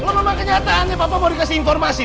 kalau mama kenyataannya papa mau dikasih informasi